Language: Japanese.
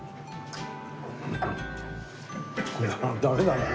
ダメだな。